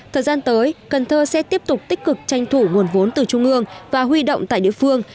thời gian tới cần thơ sẽ tiếp tục tích cực tranh thủ nguồn vốn từ trung ương và huy động tại địa phương